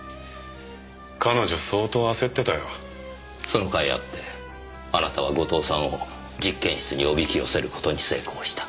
そのかいあってあなたは後藤さんを実験室におびき寄せる事に成功した。